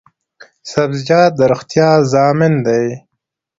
سبزیجات د روغتیا ضامن دي